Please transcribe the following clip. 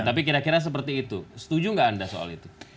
tapi kira kira seperti itu setuju nggak anda soal itu